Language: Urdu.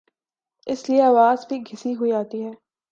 اس لئے آواز بھی گھسی ہوئی آتی ہے۔